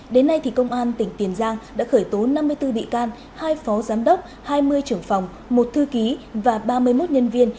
đến nay công an tỉnh tiền giang đã khởi tố năm mươi bốn bị can hai phó giám đốc hai mươi trưởng phòng một thư ký và ba mươi một nhân viên